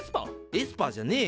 エスパーじゃねえよ！